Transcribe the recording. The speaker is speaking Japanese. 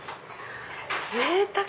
ぜいたく！